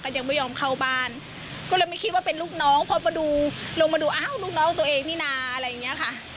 ยังไม่ยอมเข้าบ้านก็เลยไม่คิดว่าเป็นลูกน้องพอมาดูลงมาดูอ้าวลูกน้องตัวเองนี่นะอะไรอย่างเงี้ยค่ะ